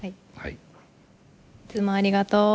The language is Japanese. いつもありがとう。